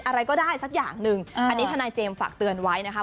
อะไรก็ได้สักอย่างหนึ่งอันนี้ทนายเจมส์ฝากเตือนไว้นะคะ